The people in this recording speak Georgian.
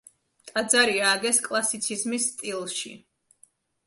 ტაძარი ააგეს კლასიციზმის სტილში.